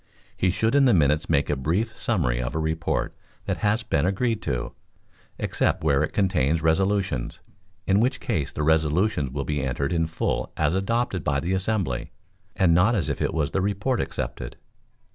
He should in the minutes make a brief summary of a report that has been agreed to, except where it contains resolutions, in which case the resolutions will be entered in full as adopted by the assembly, and not as if it was the report accepted.